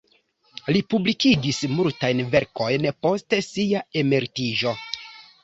Li publikigis multajn verkojn post sia emeritiĝo.